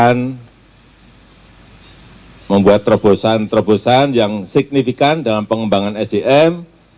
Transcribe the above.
akan membuat terobosan terobosan yang signifikan dalam pengembangan sdm